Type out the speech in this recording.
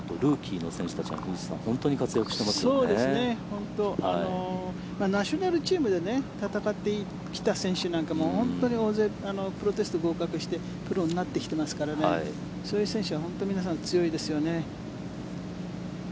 本当に、ナショナルチームで戦ってきた選手なんかも本当に大勢プロテストに合格してプロになってきてますからそういう選手は本当に皆さん強いですよね。